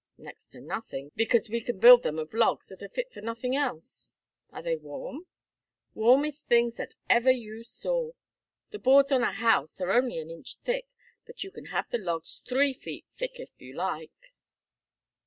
"Next to nothing, because we can build them of logs that are fit for nothing else." "Are they warm?" "Warmest things that ever you saw. The boards on a house are only an inch thick, but you can have the logs three feet thick, if you like."